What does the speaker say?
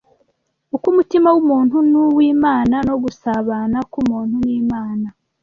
uk’umutima w’umuntu n’uw’Imana no gusabana k’umuntu n’Imana